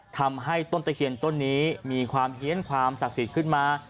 ทำให้ต้นตะเคียนต้นนี้มีความเฮียนความศักดิ์สิทธิ์ขึ้นมา